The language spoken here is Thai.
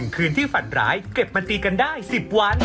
คืนที่ฝันร้ายเก็บมาตีกันได้๑๐วัน